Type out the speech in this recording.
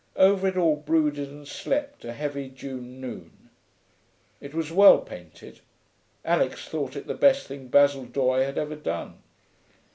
Over it all brooded and slept a heavy June noon. It was well painted; Alix thought it the best thing Basil Doye had ever done.